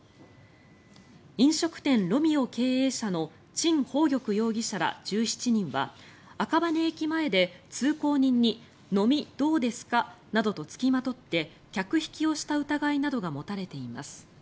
飲食店ＲＯＭＥＯ経営者のチン・ホウギョク容疑者ら１７人は赤羽駅前で通行人に飲みどうですかなどと付きまとって客引きをした疑いなどが持たれています。